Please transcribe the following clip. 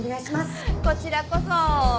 こちらこそ！